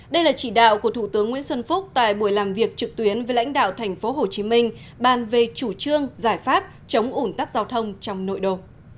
đây là chỉ đạo của thủ tướng nguyễn xuân phúc tại buổi làm việc trực tuyến với lãnh đạo thành phố hồ chí minh bàn về chủ trương giải pháp chống un tắc giao thông trong nội đô